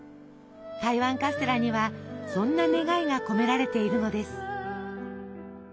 台湾カステラにはそんな願いが込められているのです。